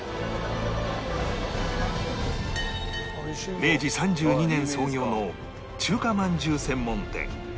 明治３２年創業の中華まんじゅう専門店